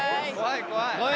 怖い怖い。